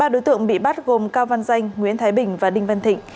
ba đối tượng bị bắt gồm cao văn danh nguyễn thái bình và đinh văn thịnh